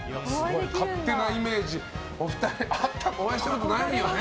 勝手なイメージ、お二人お会いしたことないよね。